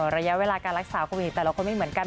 ระยะเวลาการรักษาโควิดแต่ละคนไม่เหมือนกัน